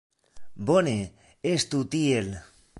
Bone, estu tiel.